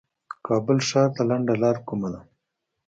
کابل ښار ته لنډه لار کومه ده